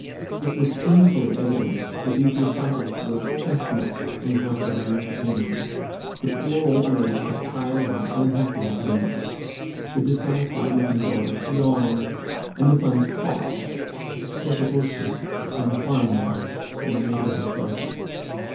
It was painfully evident that these recitals were "chestnuts" in the house of our entertainer. The poor old lady had a tired out, unhappy appearance, the dissatisfied looking daughters yawned, and the sons talked, sotto voce, on farm matters and neighborhood gossip.